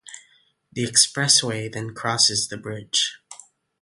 The expressway then crosses the bridge.